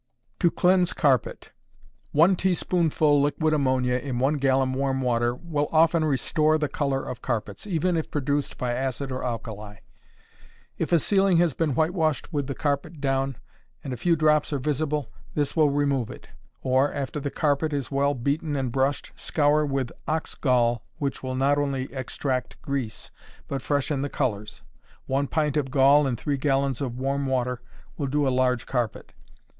To Cleanse Carpet. 1 teaspoonful liquid ammonia in one gallon warm water, will often restore the color of carpets, even if produced by acid or alkali. If a ceiling has been whitewashed with the carpet down, and a few drops are visible, this will remove it. Or, after the carpet is well beaten and brushed, scour with ox gall, which will not only extract grease but freshen the colors 1 pint of gall in 3 gallons of warm water, will do a large carpet.